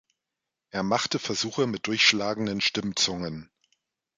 Er machte Versuche mit durchschlagenden Stimmzungen.